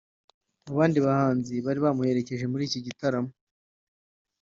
Mu bandi bahanzi bari bamuherekeje muri iki gitaramo